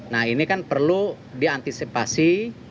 nah ini kan perlu diantisipasi